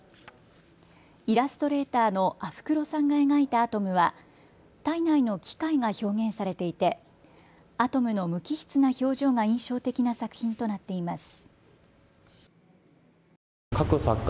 イラストレーターのＡＦＵＲＯさんが描いたアトムは体内の機械が表現されていてアトムの無機質な表情が印象的な作品となっています。